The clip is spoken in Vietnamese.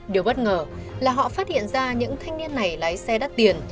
điều bất ngờ là họ phát hiện ra những thanh niên này lái xe đắt tiền